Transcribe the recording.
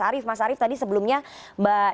arief mas arief tadi sebelumnya mbak